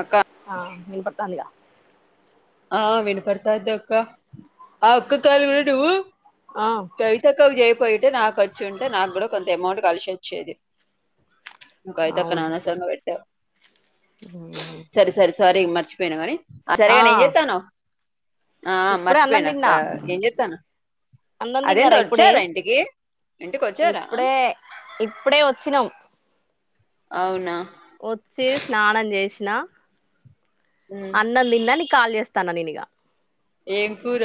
అక్క ఆ వినపడుతోంది గా ఆ వినపడతాంది అక్క ఆ ఒక్క కాల్ కూడా నువ్వు ఆ కవితక్కకు జేప్ పోయిండు నాకొచ్చి ఉంటే నాకు కూడా కొంత ఎమౌంట్ కలిసోచ్చేది ప్చ్ కవితక్కను అనవసరంగ బెట్టావ్ ఒఓ సారి మర్చిపోయిన గని ఆ ఆ ఇప్పుడే అన్నం మర్చిపోయిన అక్క తిన్నా ఏం చేత్తానవు అన్నం అదేంది తిన్నారా ఇప్పుడే వచ్చారా ఇంటికి ఇంటికి వచ్చారా ఇప్పుడే ఇప్పుడె వచ్చినం అవునా వచ్చి స్నానం చేసిన ఉమ్ అన్నం తిన్న నీకు కాల్ చేస్తా త ననిగా ఏం కూర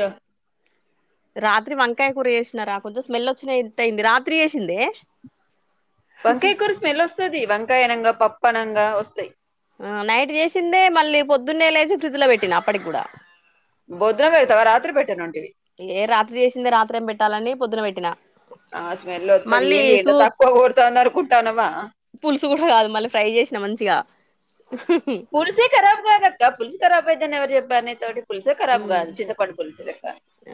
రాత్రి వంకాయ కూర చేసినరా కొంచెం స్మెల్ వచ్చినట్టు అయింది రాత్రి జేసిందే వంకాయ కూర స్మెల్ వస్తది వంకాయ అనంగా పప్పు అనంగా వస్తాయి ఆ నైట్ చేసిందే మళ్ళీ పొద్దున్నే లేచి ఫ్రిడ్జ్ లో పెట్టినా అప్పటికి కూడా బోధిన పెడతావా రాత్రి పెట్టన ఏ రాత్రి చేసింది రాత్రేం పెట్టాలని పొద్దున పెట్టినా ఆ స్మెల్ వత్తది మళ్ళీ ఏంది ఏండ సూప్ తక్కువ కొడుతోంది అనుకుంటున్నావా పులుసు కూడ కాదు మళ్ళీ ఫ్రై చేసిన మంచిగా పూల్స్ ఖరబ్ కాదక్క పుల్సు ఖరాబ్ అయ్యిదని ఎవరు చెప్పరు నితోటి పుల్స్ ఏ ఖరాబ్ ఉమ్ కాదు చింతపండు పులుసు లెక్క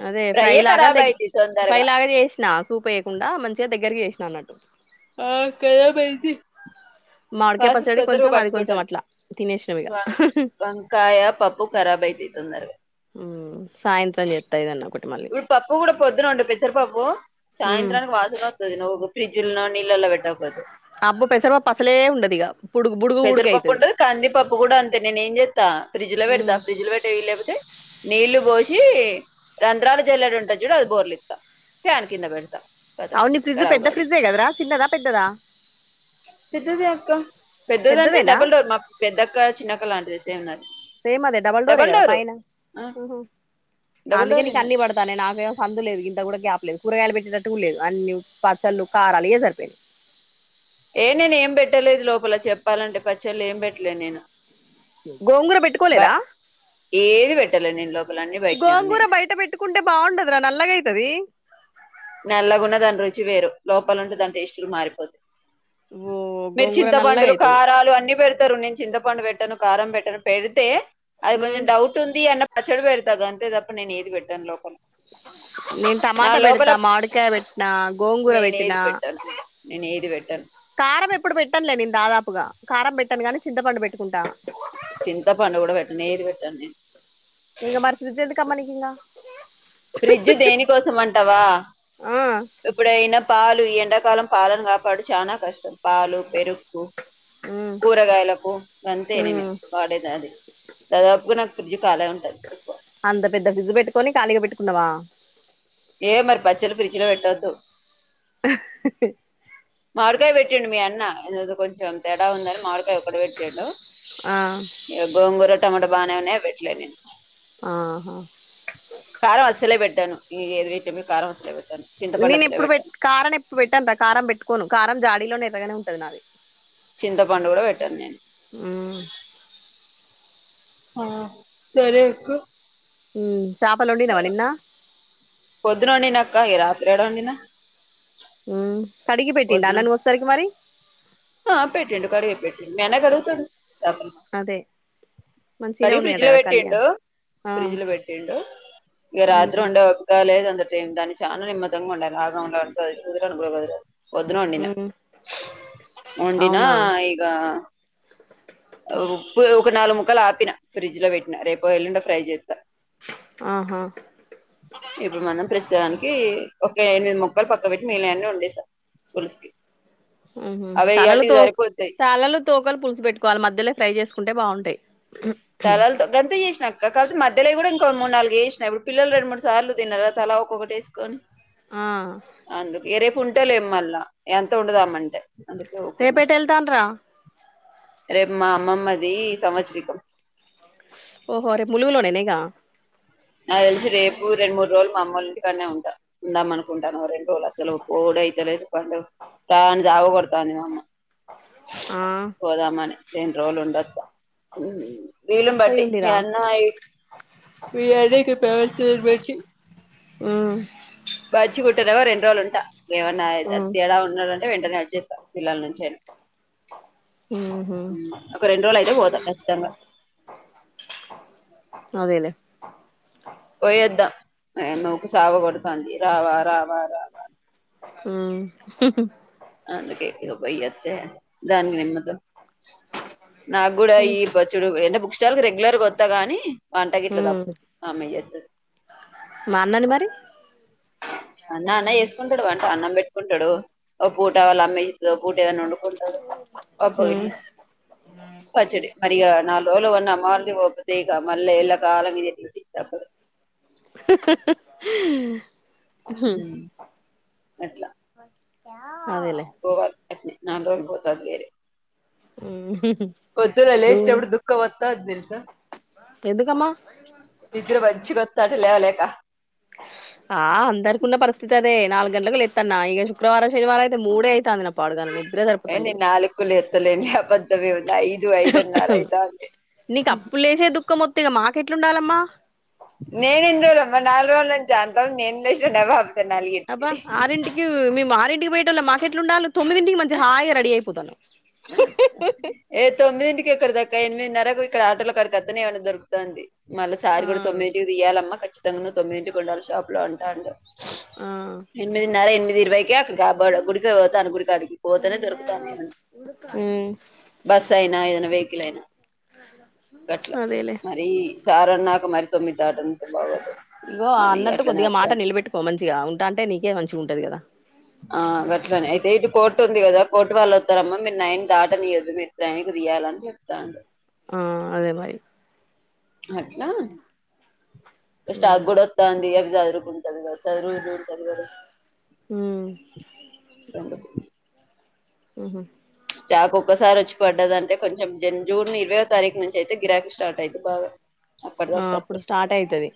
అదే ఫ్రై ఫ్రైయే లాగా ఖరాబ్ దెగ్ అయిద్ది ఫ్రై తొందరగా లాగా చేసినా సూప్ వేయకుండా మంచిగా దగ్గరకి చేసిన నన్నట్టు ఆ కయాభైది మామిడికాయ వాసన పచ్చడి తొందరగా కొంచెం అది కొంచెం పట్టుకుంటాది అట్లా తినేసినాం ఇక వంకాయ పప్పు ఖరాబ్ అయిది ఉమ్ సాయంత్రం చేత ఏదన్నా ఇప్పుడు పప్పు కూడా పొద్దున వొండు పెసర పప్పు ఉమ్ సాయంత్రానికి వాసన వత్తది నువ్వు ఫ్రిడ్జిల్ల నీల్లలా పెట్టక పోతే అబ్బో పెసరపప్పు అసలే ఉండదు ఇక బుడుగు బుడుగు బుడుగు పెసరపప్పు అయితది ఉంటది కందిపప్పు కూడా అంతే నేను ఏం చేత అ ఫ్రిడ్జిలో పెడత ఉమ్ ఫ్రిడ్జ్లో పెట్టే వీలులేకపోతె నీళ్లు బోసి రంధ్రాలు జల్లెడు ఉంటాది చూడు అది బోర్లిస్తా ఫ్యాన్ కింద పెడతా కతం అవును ని ఫ్రిజ్ ఖరాబ్ పెద్ద కాదు ఫ్రిడ్జ్ గదరా చిన్నదా పెద్దదా పెద్దదె అక్క పెద్దది అంటే పెద్దదేనా డబుల్ డోర్ మా పెద్దక్క చిన్నక్క లాంటిది సేమ్ నాది సేమ్ అదే డబల్ డోరే కద పైన ఆ డబల్ అందుకే డోరే నీకు అన్ని నాది పడతన్నాయి నాకేం సందు లేదు గింత కూడా గ్యాప్ లె కూరగాయలు పెట్టేటట్టు కూడా లేదు అన్ని పచ్చలు కారాలు ఇయ్యే సరిపోయినయి ఏ నేను ఏం పెట్టలేదు లోపల చెప్పాలంటే పచ్చళ్ళు ఏం పెట్టలే నేను గోంగూర బ పెట్టుకోలేదా ఏది పెట్టలే నేను లోపల అన్ని బయటనే ఉన్నాయి గోంగూర నాయి బయట పెట్టుకుంటే బావుండదురా నల్లగైతది నల్లగున్న దాని రుచి వేరు లోపల ఉంటే దాన్ని టేస్టు కూడా మారిపోత ఓ మీరు గోంగూర చింతపండులు నల్లగైతది కారాలు అన్ని పెడతారు నేను చింతపండు పెట్టను కారం పెట్టరు పెడితే అది మ్మ్ కొంచెం డౌట్ ఉంది అన్న పచ్చడి పెడతా గంతే తప్ప నేను ఏది పెట్టను లోపల నేను నా టమాటా లోపల పెడతా మామి కాయ పెట్టిన గోంగూర నేను పెట్టినా ఏది పెట్టాను నేను ఏది పెట్టాను కారం ఎప్పుడు పెట్టనులే నేను దాదాపుగా కారం పెట్టను గాని చింతపండు పెట్టుకుంటా చింతపండు కూడా పెట్టను నేను ఏది పెట్టను నేను ఇగ మర్తుదితే ఎందుకమ్మా నీకింకా ఫ్రిడ్జ్ దేనికోసం అంటావా ఆ ఇప్పుడయినా పాలు ఇ ఎండాకాలం పాలను కాపాడు చాలా కష్టం పాలు పెరుగు కూరగాయలకు అంతే నేను మ్మ్ వాడేది అది దాదాపుగా నాకు ఫ్రిడ్జ్ కాలే ఉంటది ఎక్కు అంత పెద్ద ఫ్రిడ్జ్ పెట్టుకని ఖాళీగా పెట్టుకున్నావా ఏ మరి పచ్చలు ఫ్రిడ్జ్ లో పెట్టద్దు మామిడికాయ పెట్టిండు మీ అన్న అదేదో కొంచం కొంచెం తేడా ఉందని మామిడికాయ ఒక్కడ పెట్టాడు ఆ ఇ గోంగూర టమాట పెట్లే నేను ఆహా కారం అసలే పెట్ పెట్టను [unintelligible] కారం అసలే పెట్ నేను ఎప్పుడు పె కారం ఎప్పుడు పెట్టను కారం పెట్టుకోను కారం జాడీలోనే ఎరగానే ఉంటది నాది చింతపండు కూడా పెట్టను నేను మ్మ్ ఆ సరే ఎకు హు పొద్దున వండిన అక్క ఈ రాత్ర ఏడ వండిన హు కడిగి పెట్టిండా మరి నువ్వు వచ్చేసరికి మరి ఆ పెట్టిండు కడిగి పెట్టి మీ అన్న కడుగుతు అదే మంచిగనే కడిగి ఫ్రిడ్జ్ ఉన్నాయట లో కదా కళ్యాణ్ పెట్టిండు ఆ ఫ్రిడ్జ్ లో పెట్టిండు ఇక రాత్రి ఉమ్ వండే ఓపిక దాన్ని చాలా నిమ్మ దంగా ఉండాలి ఆగ ఉండ కు అను కూడాదు పొద్దున వండిన ఉమ్ వండిన అవునా ఇగ ఉప్పు ఒక నాలుగు ముక్కలు ఆపిన ఫ్రిడ్జ్ లో పెట్టినా రేపు ఎల్లుండో ఫ్రై చేస్తా ఆహా ఇప్పుడు మనం ప్రస్తుతానికి ఒక ఎనిమిది ముక్కలు పక్క పెట్టి మిగిలిన వన్నీ వాడేసిన పుల్స్కి ఉహు తలలు తో తలలు తోకలు పులుసు పెట్టుకోవాలి మధ్యలో ఫ్రై చేసుకుంటే బాగుంటాయి తలలుతో గంత చేసినా కాపోతే మధ్యలో కూడా ఒక మూడు నాలుగు వేసిన ఇప్పుడు పిల్లలు రెండు మూడు సార్లు తన్నార తలా ఒక్కొక్కటి వేసుకొని ఆ కుంటే లేం మల్లా ఎంత ఉండదమ్మంటే రేపేట వెళ్తాండ్రా రేపు మా అమ్మమ్మది సంవత్సరికం ఓహో రేపు ములు లోనేనేగా నా తెలిసి రేపు రెండు మూడు రోజులు మా అమ్మోళ్ళు ఇంటికనే ఉంటా ఉందాం అనుకుంటాను రెండు రోజులు ఆ సెలవుకు అయిత లేదు బట్ దాన్ని సవగొడ్తంది వమ్మ ఆ పోదామనే రెండు రోలు ఉండొత్త పోయి విలుంబట్టి మీ ఉండిరా అన్నయి మీ అన్నయ్యకి పెవ పెట్టి ఉమ్ మంచిగుంటేనేమో రెండు రోజులు ఉంటా ఏమన్నానా ఉమ్ తేడా ఉన్నా వెంటనే వచ్చేస్తా పిల్లల నుంచి ఉహు ఒక రెండు రోజులు అయితే పోత్ కచ్చతంగా అదేలే పోయొద్దా మాకు సావ గోడుతంది రావా రావా రావా ఉమ్ ఇంగ పొయ్యిత్తే దాన్ని తిడతారు నాకు కూడా ఈ పచ్చడు ఎంన బుక్ ష్టాలుకు రెగ్యులర్గోత్తాగాని వంట గీట్లా ఉమ్ తప్పుద్ది అమె చేస్తది మాన్నాని మరి అన్న అన్న చేసుకుంటాడు వంట అన్నం పెట్టుకుంటాడు ఒక పూట వాళు అమ్మ ఇస్తు పూట ఏదనా వండుకుంటాడు అబ్బో ఇలా అ పచ్చడి మరిగా నాలుగు రోళు వన్న అమ్మవారింటికి పోతే ఇగ మళ్ళ ఇలా కాలం ఇదే ఉమ్ అట్లా అదేలే పోవాలి నాలుగు రోజలు పోతా అది వేర పోద్దున దూ లేచేటప్పుడు దుఃఖ వోత్ తంది తెలుసా ఎందుకమ్మా నిద్రఅంచిగోత్ తంది లేెవలెకా ఆ అందరికున్న పరిస్థితి అదే నాలుగు గంటలకు లెత్తన్న ఇగ శుక్రవారం శనివారం అయితే మూడే అయితంది పాడుగాను ఏ నిద్రసరీపోతలేదు నేను నాలుగుకు లేత్తలేను అబద్ధమే ఉంది ఐదు ఐదున్నర అయితాంది నీకు అప్పు లేసే దుఃఖమొత్తే మాకెట్లుండాలమ్మా నేను చూడమ్మా నల్రోల్నచ్ ఆన్ అబ్బా ఆరింటికి మేము ఆరింటికి పొయ్యేటోల్లం మాకెట్లుండలి తొమ్మిదింటికి మంచిగ హాయిగా రెడీ అయిపోతా ఏ తొమ్మిదింటికి ఎక్కడిద్దక్క ఎనిమిదిన్నరకు ఇక్కడ ఆటోలోక్కడికి అతనే ఏమన్న దరుకుతుంది మళ్ళీ సారి ఆ కూడా తొమ్మిదింటికి తీయ్యాలమ్మా ఖచ్చితంగా తొమ్మిదింటికి ఉండాలి షాప్ లో ఉంటాండు ఆ ఎనిమిదిన్నార ఎనిమిది ఇరవైక ఇబ గుడిక పోతాను గుడి అడిగి పోతనే దొరుకుతానే ఉమ్ బస్ అయినా ఏదైనా వెకిల్ అయినా గట్లా అదేలే మరి సారాన్నక మరి తొమ్మిది దాటంత బాగోదు ఇగో అని అన్నట్టు అట్లనే కొద్దిగా మాట వస్తాను నిలబెట్టుకో మంచిగా ఉంటా అంటే నీకే మంచిగుంటది కదా ఆ గట్లనే అయితే ఇటు కోర్టు ఉంది కదా కోర్టు వాళ్ళు వత్తరమ్మా మీరు నైన్ దాటనియదు మీరు టైం తీయాలని చెప్తాడు ఆ అదే మరి అట్లా స్టాక్ కూడా వస్తాంది అవి సదురుకుం ఇగ సదురుకుంటా ఉమ్ ఆహ టాప్ ఓక్కసారి వచ్చి పడ్డదంటే కొంచెం జన్ జూన్ ఇరవై తారీఖు నుంచి అయితే గిరాక్ స్టార్ట్ అయిద్ది బాగా అప్పుడు ఆ వరకు ఓకే స్టార్ట్ అయితది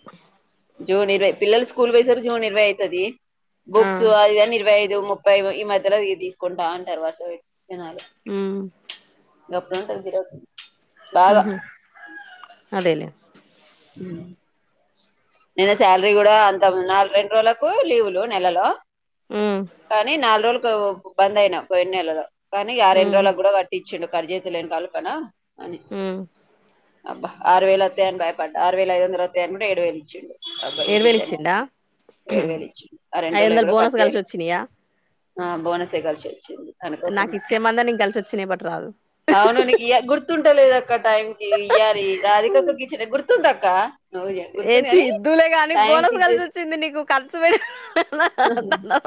జూన్ ఇరవై పిల్లలు స్కూల్ పోయే వరికి ఇరవై అవుతది ఆ బుక్స్ అది ఇది అని ఇరవై ఇది ముప్పై ఈ మధ్యలో తీసుకుంటా అంటారు వస జనాలు ఉమ్ ఉంటదిబెరో బాగా అదేలేే నేను శాలరీ కూడా అంత నాలుగు రెండు రోజులకు లీవులు నెలలో ఉమ్ కానీ నాలుగు రోజులు బంద్ అయినా పోయిన నెలలో కానీ ఆరోండు ఉమ్ రోజులలకు కూడా కట్టించ చ్చిండు కట్ చేతలేను కలపనా అని ఉమ్ అబ్బా ఆరు వేలు వస్తా అని బా పడ్డా ఆరు వేల ఐదు వందలు ఓత్తయి అనుకుంటే ఏడు వేలు ఇచ్చండు ఏడు వేలు అబ్బాయికిిద్ద ఇచ్చిండా ఏడు వేలు ఇచ్చి ఆ రెండు ఐదు రోజలు వందలు కూడా కట్ బోనస్ కలిసి చేయలే వచ్చినయా ఆ బోనసే కలిసి వచ్చింది నాకు అనుకోకుండా ఇచ్చేమందా నీకు కలిసి వచ్చినయి బట్ రాదు అవును నీకు గుర్తున్ స్తలేదక్క టైంకీ ఇయ్యాలీ, రాదికక్కకిచ్చిన గుర్తుందక్కా. ఏ చీ ఇద్దులేగాని బోనస్ కి చే కలిసొచ్చింది నీకు కర్చుపె హ్హ హ్హ హ్హ హ్హ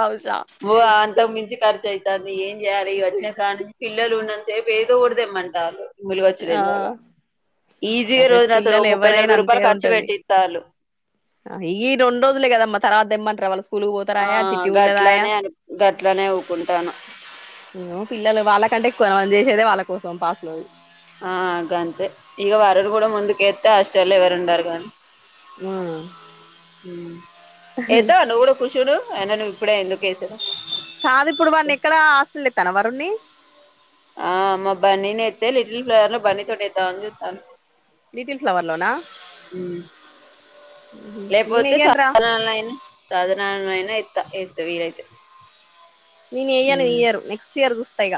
వోఆ అంతకు మించి కర్చయి. దాన్ని ఏంజెయాలీ, ఇవి వచ్చిన కానించి పిల్లలున్నంత్సేపు ఏదోఓటి తెమ్మంటాల్లు ఇమ్ములు వచ్చిర్రు ఆ ఇందాక ఈజీగ అరే రోజు నాతో రొ పిల్లలు ముప్పై నలభై రూపాయల కర్చు పెట్టిత్తాల్లు ఆ ఈ రొండ్రోజులే కదమ్మ తర్వాద్దెమ్మంట్ర వాలు. స్కూలుకు ఆ పోతరాయా, చిట్టి ఉండదాయా. గట్లానే అని గట్లానే ఊకుంటాను ను పిల్లలు వాల్లకంటే ఎక్కువన మనం జేషేదే వాల్ల కోసం పాస్లు ఆ గంతె ఇక వరునుగూడా ముందుకేత్తె ఆస్టల్లో ఎవరుండరుగాని. ఆ మ్ ఏత్తవ నువుగుడు కుషుడు అయినా నువిప్పుడే ఎందుకేసావ్ కాదిప్పుడు వాన్నెక్కడా ఆస్టల్లెత్తానా వరుణ్నీ. ఆ మా బన్నీని ఏత్తే లిటిల్ ఫ్లవర్ లో బన్నీతోటేద్దావని చూత్తాన. లిటిల్ ఫ్లవర్లోనా. లేపోతే సాధన లైన సాదనాలోనైనా ఇత్త ఏత్తే వీలైతె. నీనెయ్యను ఈ ఇయరు, నెక్స్టియర్ జూస్తా ఇగ.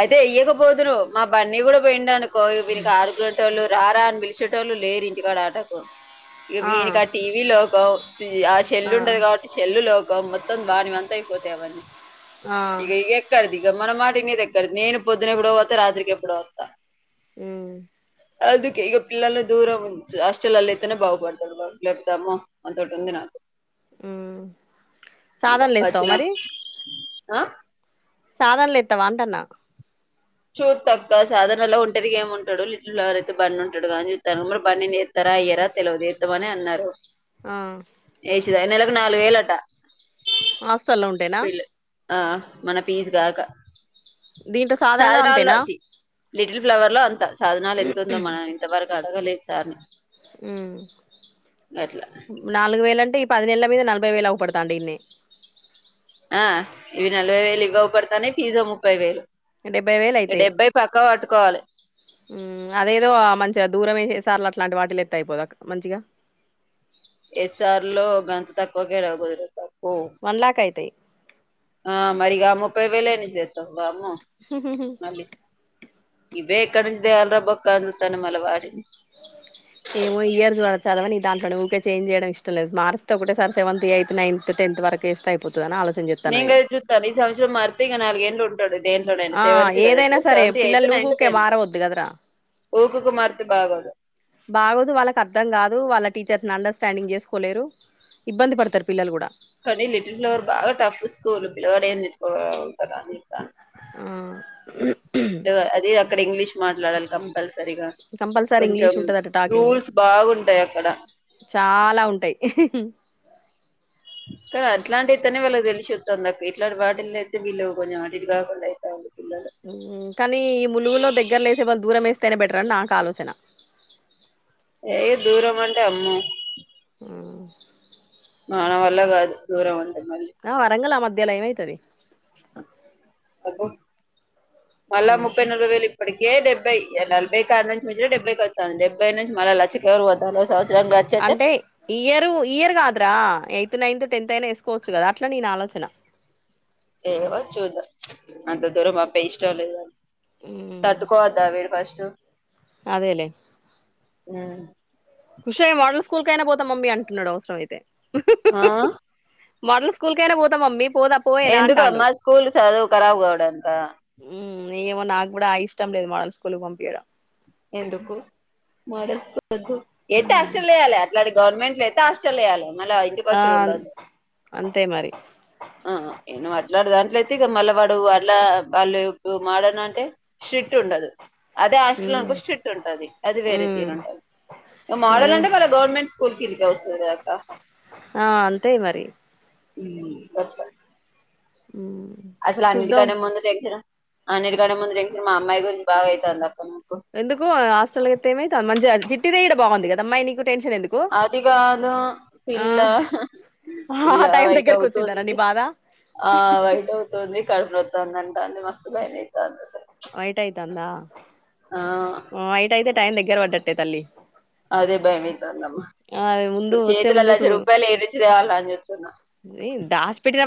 అయితే ఎయ్యకపోదురూ, మా బన్నీగూడ పోయిండనుకో ఇగ వీనితో ఆడుకునేటోళ్లు, రారా అన్ పిలిచేటోల్లు లేరు ఇంటికాడ ఆటకు. ఇక వీనికి ఆ టీవీ లోకం, సీ ఆ షెల్ ఉంటది గావట్టి షెల్ల్ లోకం, మొ త్తం వానివంతైపోతై అవన్ని, ఆ ఇక ఇకెక్కడిది, ఇక మన మాటినేదెక్ ఇక్కడ నేను పొద్దునెపుడోవోతే, రాత్రికి ఎప్పుడో వత్తా. మ్ అందుకే, ఇగొ పిల్లలు దూరం స్ ఆస్టల్లల్లేత్తేనే బాగుబడతదు వాడు, లేపొతే అమ్మో అన్తోటుంది నాకు. మ్మ్ ఇగొ సాధనలో ఎస్తావా అచ్చినాం ఆ. సాదన్లేత్తవాంటన్నా. చూత్తక్కా సాదనలో ఒంటరిగ ఏముంటడు లిటిల్ ఫ్లవర్ అయితే బన్ని ఉంటడుగా అని చూత్తాన మరి బన్నిని ఏత్తార ఎయ్యరా తెలవదు ఎత్తమనే అన్నరు. ఆ నెలకు నాలుగు వేలట. ఆస్టల్లో ఉంటేనా. వీళ్ళు ఆ మన పీజ్ గాక. దీంట్లో సాధనలో సాదనాల్లో అంతేనా చి లిటిల్ ఫ్లవర్లో అంత సాదనాలొ ఎంతుందో మనం ఇంత వరకు అడగలే సార్ని. మ్ గట్లా నాలుగు వేలంటే ఇప్ పదినెల్ల మీద నలబైవేలు ఔపడతాండె ఇండ్నే ఆ ఇవి నలబైవేలు ఇగ అగుపడుతాయన్నాయి. ఫీజో ముప్పైవేలు. డెబ్బై పక్కవట్టుకోవాలి. మ్ అదేదో ఆ మంచిగ దూరమే చేసారు లట్లా అట్లాంటి వాటిలో ఏత్తే అయిపోదా మంచిగా. యస్ ఆర్ లో అంత తక్కువకే రాబోదు రెంట్ కి వన్ లాక్ అయితాయి. మరి గా ముప్పైవేలు ఏంది చేస్తావు వామ్మో. హు హు హు బే ఎక్కడ్నించిదేవాలిరా బక అంత తన మాలి వాడిని. దాంట్లోనె ఊకే చేన్జెయడం ఇష్టంలేదు. మారిస్తే ఒకటేసారి సెవెన్త్, ఎయిత్, నైన్త్, టెన్త్ వరకు ఏస్తే అయిపోతుదని ఆలోచిస్తాన్నాను. నేను గాడ జూత్తాన్నా ఈ సవత్సరం మారిత్తే ఇక నాలుగేండ్లు ఉంటాడు దేంట్లోనైనా ఆ సెవెంత్ కదా ఇప్పుడు ఏదైనాసరే సెవెంత్ పిల్లలు ఎయిత్ ను ఊరు నైన్త్ ఊరుకే టెన్త్ మారవద్దు కదరా. ఊకుకు మారితే బాగోదు బాగోదు వాల్లకి అర్థంగాదూ వాల్ల టీచర్స్ అండర్స్టాండ్ అండర్స్టాండ్ చేస్కోలేరు ఇబ్బంది పడతారు పిల్లలు గూడా. కానీ లిటిల్ ఫ్లవర్ బాగా టఫ్ స్కూలు, పిలవలేదు పోవడానికి ఇంకా ఆ అది అక్కడ ఇంగ్లీష్ మాట్లాడాలి కంపల్సరీ. సరిగా కంపల్సరీ కొంచెం ఇంగ్లీష్ ఉంటదట టాకింగ్ రూల్స్ బాగుంటాయి అక్కడ. చాలా ఉంటాయి. హ్ హి అ [unintelligible] అలాంటి అయితేనే వాళ్ళకి తెలిసి వస్తాయి. ఇట్లాంటి వాటి లో వేస్తే వీళ్ళు కొంచెం అటూ ఇటూ కాకుండా అయితాంది. కానీ ఈ ములుగులో దగ్గరలేసే బదులు దూరం వేస్తే తినబెట్టరని నాకు ఆలోచన ఏ దూరం అంటే అమ్మో ఆవ్ మన వల్ల కాదు దూరం అది. ఆ వరంగల్ ఆ మధ్యలో అయినా అయితాది అబ్బో మళ్ళా ఉమ్ ముప్పై నలబై వేలు ఇప్పుడు ఇప్పటికే డెబై నలభై కాడి నుంచి డెబ్బై వస్తాంది. డెబ్బై నుంచి మళ్ళా లక్ష కాడికి పోతాంది. ఒక సంవత్సరం పోతే అంటే ఇయరు ఇయర్ కాదురా ఏం అంటే నైన్త్, టెన్త్ అయినా వేసుకోవచ్చు కదా అట్లా నేను ఆలోచన ఏమో చుద్దాం అంత దూరము అప్పుడు వేస్తా లేదా అని ఉమ్ తట్టుకోవద్దా వీడు ఫస్ట్ అదేలే మ్ విషయం వాడు స్కూల్ అయినా పోతా మమ్మీ అంటున్నాడు అవసర అయితే ఆ మోడల్ స్కూల్కైనా పోతాం మమ్మీ పోదా పోయేనా ఎందుకు అంటాండు అమ్మా స్కూల్ చదువు ఖరాబ్ కావడానికా నియేమో నాకు కూడా ఇష్టం లేదు మడల్ స్కూల్కి పంపించయడం ఎందుకు మోడల్ స్కూల్ వద్దు ఎత్తే ఉమ్ హాస్టల్ లో వేయాలి అట్లాడి గవర్మెంట్ అయితే హాస్టల్ లో వేయాలి. అ మల్లా ఇంటికి ఆ వచ్చేది ఉండద్దు అంతే మరి ఆ ఏం గాదు అట్లాడ దాంట్లో అయితే అట్లా మళ్ళా వాడు మారాను అంటే స్ట్రిక్ట్ ఉండదు. అదే హాస్టల్ ఉమ్ అయితే స్ట్రిక్ట్ ఉంటాది. అది వేరే ఉమ్ తీరు ఉంటాది. మోడల్ అదే అంటే వాళ గవర్నమెంట్ స్కూల్ కిందికే వస్తుంది అక్క ఆ అంతే మరి ఉ భర్త అసలు చూద్దాం అన్నిటికనే ముందు టెన్షన్ అన్నిటికనే ముందు టెన్షన్ మా అమ్మాయి గురించి బాగా అవుతుంది తప్ప ఎందుకు హాస్టల్ కేతే ఏమైతాంది మంచి జిట్టి తేయడా బాగుంది కద అమ్మాయి నీకు టెన్షన్ ఎందుకు అదిి కాదో ఆ పిల్ల పిల్ల ఆ టైం వైట్ దగ్గరకు వచ్చిందనా నీ అవుతూందింది బాధ ఆ వైట్ అవుతుంది కడుపు నోస్ తోంది అంటుంది మస్త భయమైతాంది అసలు వైట్ ఐతాందా ఆ ఉ వైట్ అయితే టైం దగ్గర వడ్డట్టే తల్లి అదే భయం అయితాంది అమ్మ ఆ ముందు ఇప్పుడు వచ్చే చేతులు ముందు లక్ష రూపాయలు ఏడించి తేవాల అని చెప్తున్నా ఇ దాసి పెట్టిన వా